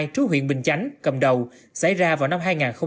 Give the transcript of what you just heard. trú huyện bình chánh cầm đầu xảy ra vào năm hai nghìn hai mươi một